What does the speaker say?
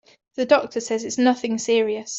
The doctor says it's nothing serious.